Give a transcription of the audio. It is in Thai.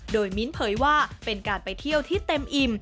โดยมิ้นท์เผยว่าเป็นการไปเที่ยวที่เต็มอิ่ม